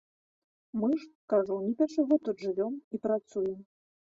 Мы ж, кажу, не першы год тут жывём і працуем.